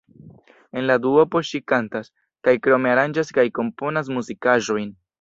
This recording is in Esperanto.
En la duopo ŝi kantas, kaj krome aranĝas kaj komponas muzikaĵojn.